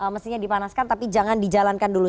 mestinya dipanaskan tapi jangan dijalankan dulu